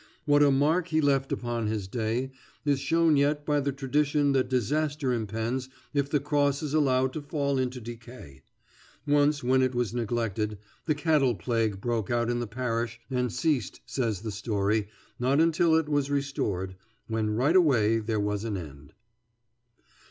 What a mark he left upon his day is shown yet by the tradition that disaster impends if the cross is allowed to fall into decay. Once when it was neglected, the cattle plague broke out in the parish and ceased, says the story, not until it was restored, when right away there was an end.